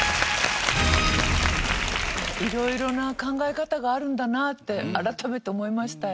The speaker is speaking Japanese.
色々な考え方があるんだなって改めて思いました。